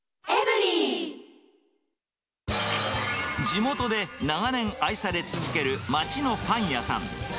地元で長年愛され続ける町のパン屋さん。